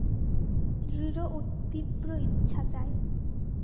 দৃঢ় ও তীব্র ইচ্ছা চাই।